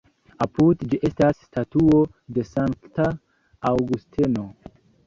Apud ĝi estas statuo de Sankta Aŭgusteno.